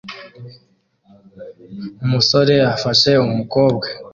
Umusore afashe umukobwa